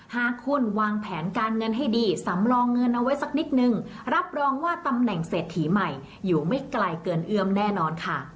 หากคุณวางแผนการเงินให้ดีสำรองเงินเอาไว้สักนิดนึงรับรองว่าตำแหน่งเศรษฐีใหม่อยู่ไม่ไกลเกินเอื้อมแน่นอนค่ะ